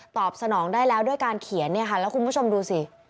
ตอบสนองได้แล้วด้วยการเขียนเนี่ยค่ะแล้วคุณผู้ชมดูสิ